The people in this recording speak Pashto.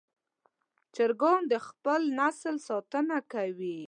چرګان د خپل نسل ساتنه کوي.